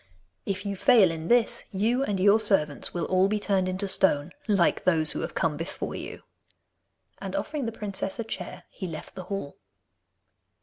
If you fail in this, you and your servants will all be turned into stone, like those who have come before you.' And offering the princess a chair, he left the hall.